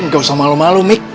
gak usah malu malu mik